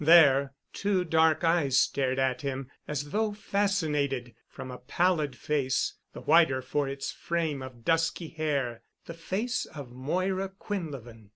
There, two dark eyes stared at him as though fascinated from a pallid face, the whiter for its frame of dusky hair—the face of Moira Quinlevin.